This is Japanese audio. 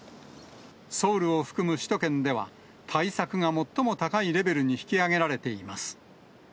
ソウルを含む首都圏では、対策が最も高いレベルに引き上げられています。